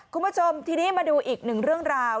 คุณผู้ชมทีนี้มาดูอีกหนึ่งเรื่องราว